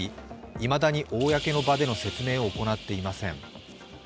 いまだに公の場での説明を行っていません。